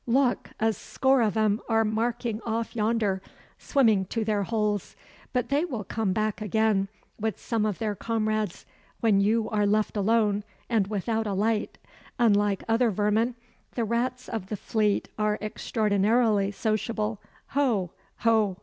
Look! a score of 'em are making off yonder swimming to their holes. But they will come back again with some of their comrades, when you are left alone, and without a light. Unlike other vermin, the rats of the Fleet are extraordinarily sociable ho! ho!"